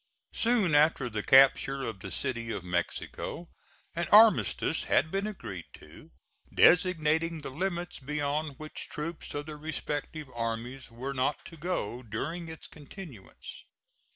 Soon after the capture of the City of Mexico an armistice had been agreed to, designating the limits beyond which troops of the respective armies were not to go during its continuance.